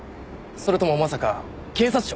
それともまさか警察庁？